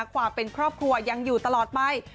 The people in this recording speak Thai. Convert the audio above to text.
ความเป็นครอบครัวยังอยู่ตลอดไป